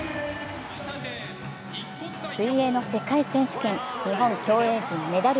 水泳の世界選手権、日本競泳陣メダル